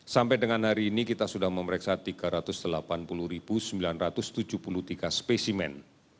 sampai dengan hari ini kita sudah memeriksa tiga ratus delapan puluh sembilan ratus tujuh puluh tiga spesimen